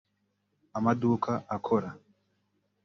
amaduka akora